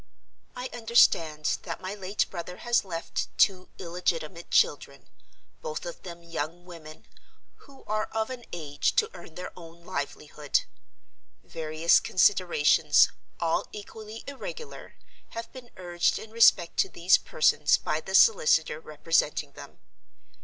"I understand that my late brother has left two illegitimate children; both of them young women, who are of an age to earn their own livelihood. Various considerations, all equally irregular, have been urged in respect to these persons by the solicitor representing them.